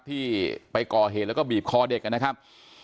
ที่ไปก่อเหตุแล้วก็บีบคอเด็กนะครับ